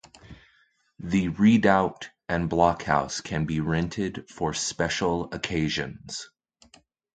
The redoubt and blockhouse can be rented for special occasions.